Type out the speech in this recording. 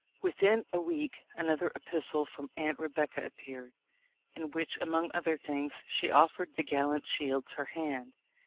Within a week another epistle from Aunt Re becca appeared, in which, among other things, she offered the gallant Shields her hand.